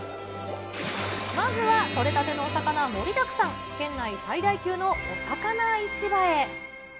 まずはとれたてのお魚盛りだくさん、県内最大級のお魚市場へ。